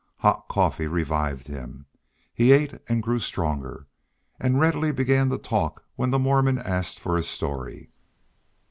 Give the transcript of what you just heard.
Hot coffee revived him; he ate and grew stronger, and readily began to talk when the Mormon asked for his story.